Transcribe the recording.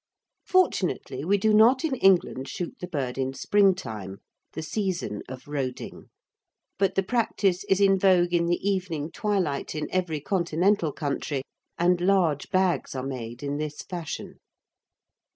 Fortunately, we do not in England shoot the bird in springtime, the season of "roding," but the practice is in vogue in the evening twilight in every Continental country, and large bags are made in this fashion.